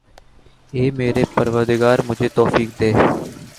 اے میرے پروردگا مجھے توفیق دے